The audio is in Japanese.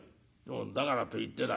だからといってだ